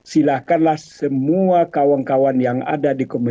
silahkanlah semua kawan kawan yang ada di komisi dua